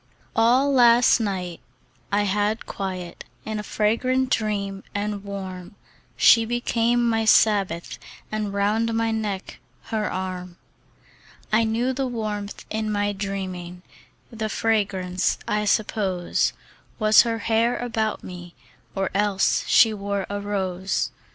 ALL last night I had quiet In a fragrant dream and warm: She became my Sabbath, And round my neck, her arm. I knew the warmth in my dreaming; The fragrance, I suppose, Was her hair about me, Or else she wore a rose.